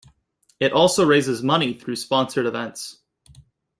It also raises money through sponsored events.